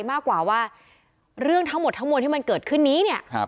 มากกว่าว่าเรื่องทั้งหมดทั้งมวลที่มันเกิดขึ้นนี้เนี่ย